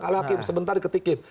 kalau hakim sebentar ketikim